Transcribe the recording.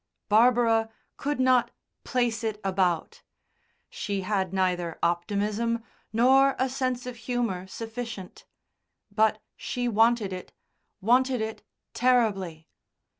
Barbara could not "place" it about; she had neither optimism nor a sense of humour sufficient. But she wanted it wanted it terribly.